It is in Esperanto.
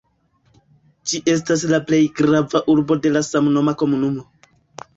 Ĝi estas la plej grava urbo de la samnoma komunumo.